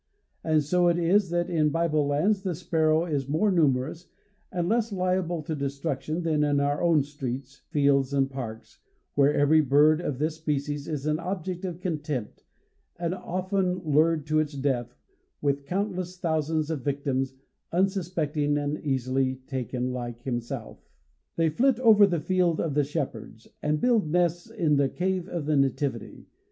And so it is that in Bible lands the sparrow is more numerous, and less liable to destruction, than in our own streets, fields and parks, where every bird of this species is an object of contempt, and often lured to its death, with countless thousands of victims, unsuspecting and easily taken like himself. They flit over the "field of the Shepherds," and build nests in the "cave of the Nativity."